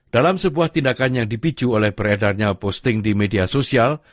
dalam sebuah tindakan yang dipicu oleh beredarnya posting di media sosial